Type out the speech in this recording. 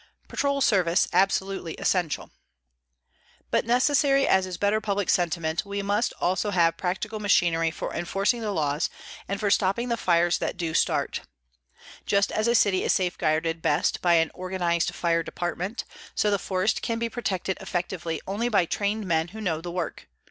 PATROL SERVICE ABSOLUTELY ESSENTIAL But necessary as is better public sentiment, we must also have practical machinery for enforcing the laws and for stopping the fires that do start. Just as a city is safeguarded best by an organized fire department, so the forest can be protected effectively only by trained men who know the work.